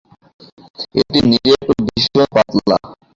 এটি নিরেট ও ভীষণ পাতলা।